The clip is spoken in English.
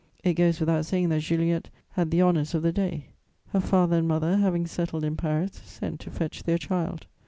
It goes without saying that Juliette had the honours of the day. Her father and mother, having settled in Paris, sent to fetch their child.